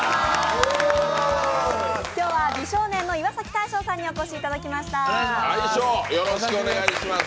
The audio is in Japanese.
今日は美少年の岩崎大昇さんにお越しいただきました。